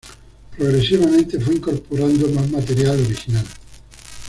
Progresivamente, fue incorporando más material original.